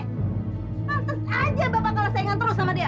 pantes aja bapak kalah saingan terus sama dia